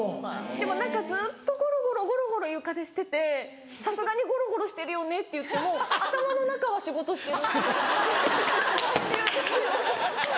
でも何かずっとゴロゴロゴロゴロ床でしてて「さすがにゴロゴロしてるよね」って言っても「頭の中は仕事してる」って言うんですよ。